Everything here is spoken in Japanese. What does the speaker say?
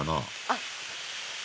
あっ！